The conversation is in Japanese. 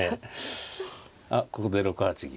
あっここで６八銀とね。